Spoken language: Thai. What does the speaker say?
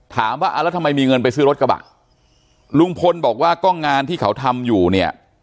ถามว่าอ่าแล้วทำไมมีเงินไปซื้อรถกระบะลุงพลบอกว่าก็งานที่เขาทำอยู่เนี่ย